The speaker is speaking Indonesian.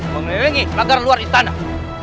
mengelengi lagar luar di tanah